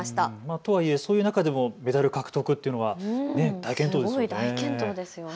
とはいえそういう中でもメダル獲得っていうのは大健闘ですよね。